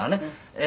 “ええ。